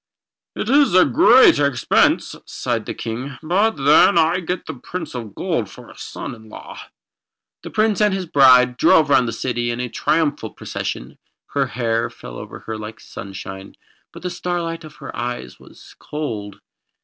"It is a great expense," sighed the King, "but then I get the Prince of Gold for a son in law." The Prince and his bride drove round the city in a triumphal procession. Her hair fell over her like sunshine, but the starlight of her eyes was cold.